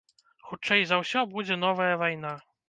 Хутчэй за ўсё, будзе новая вайна.